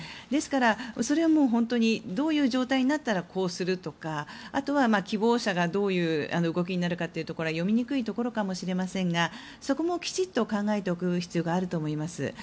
ですから、それは本当にどういう状態になったらこうするとかあとは希望者がどういう動きになるかは読みにくいかもしれませんがそこもきちんと考えておく必要があると思います。